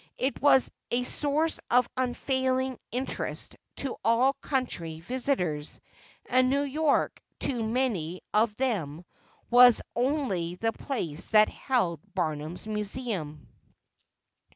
It was a source of unfailing interest to all country visitors, and New York to many of them was only the place that held Barnum's Museum.